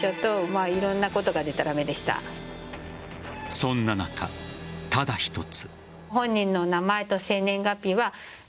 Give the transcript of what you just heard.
そんな中、ただ一つ。